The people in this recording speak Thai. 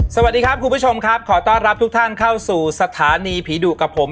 สวัสดีครับคุณผู้ชมครับขอต้อนรับทุกท่านเข้าสู่สถานีผีดุกับผม